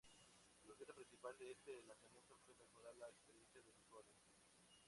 El objetivo principal de este lanzamiento fue mejorar la experiencia del usuario.